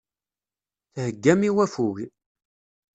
Theggam i waffug.